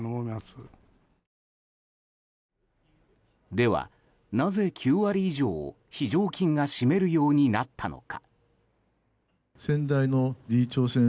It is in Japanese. では、なぜ９割以上を非常勤が占めるようになったのか。